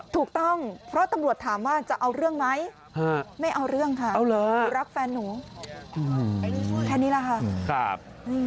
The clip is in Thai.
ถูกต้องเพราะตำรวจถามว่าจะเอาเรื่องไหมไม่เอาเรื่องค่ะรักแฟนหนูแค่นี้แหละค่ะ